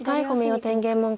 天元門下。